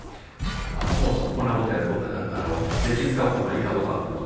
そもそもこんなことやることに税金使うことがいいかどうかって問題